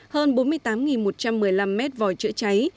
hơn bốn mươi tám một trăm một mươi năm mét vòi chữa cháy